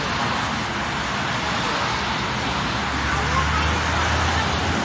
มาถึงมาเห็นเลยเลยครับอ๋อ